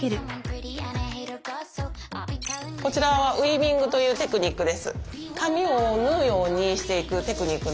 こちらは「ウィービング」というテクニックです。